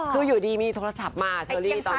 คืออยู่ดีมีโทรศัพท์มาเชอรี่ตอนนี้